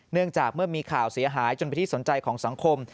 เนื่องจากเมื่อมีข่าวเสียหายจนเป็นที่สนใจของสังคม